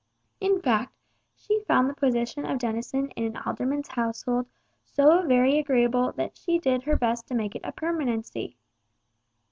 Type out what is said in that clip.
In fact, she found the position of denizen of an alderman's household so very agreeable that she did her best to make it a permanency.